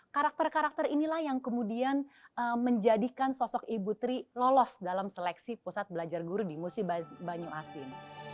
karakter karakter inilah yang kemudian menjadikan sosok ibu tri lolos dalam seleksi pusat belajar guru di musibah banyu asin